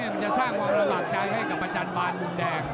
มันจะสร้างความระบาดใจให้กับประจันบานมุมแดง